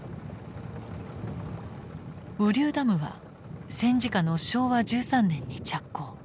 雨竜ダムは戦時下の昭和１３年に着工。